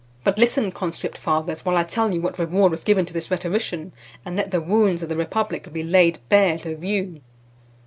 But listen, Conscript Fathers, while I tell you what reward was given to this rhetorician, and let the wounds of the republic be laid bare to view.